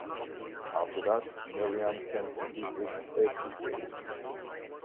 After that, Miriam came to see it every day.